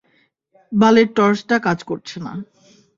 বালের টর্চটা কাজ করছে না।